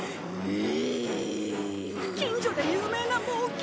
近所で有名な猛犬！